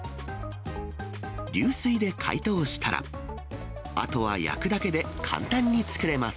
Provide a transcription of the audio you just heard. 流水で解凍したら、あとは焼くだけで、簡単に作れます。